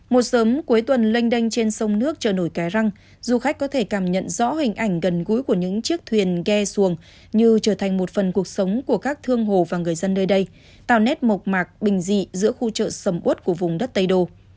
một sớm cuối tuần lanh đanh trên sông nước chợ nổi cái răng du khách có thể cảm nhận rõ hình ảnh gần gũi của những chiếc thuyền ghe xuồng như trở thành một phần cuộc sống của các thương hồ và người dân nơi đây tạo nét mộc mạc bình dị giữa khu chợ sầm út của vùng đất tây đô